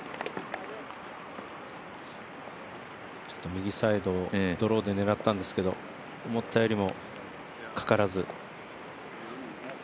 右サイド、ドローで狙ったんですけど思ったよりもかからず。